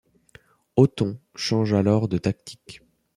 Othon change alors de tactique.